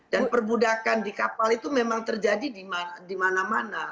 dan perbudakan di kapal itu memang terjadi di mana mana